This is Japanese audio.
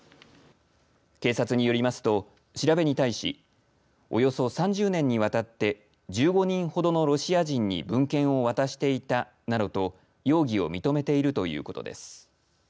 警察によりますと調べに対しおよそ３０年にわたって１５人ほどのロシア人に文献を渡していたなどと容疑を認めているということです。